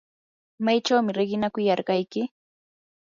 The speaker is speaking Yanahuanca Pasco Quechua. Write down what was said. ¿maychawmi riqinakuyarqayki?